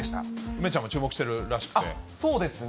梅ちゃんも注目してるらしくそうですね。